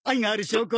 ああ。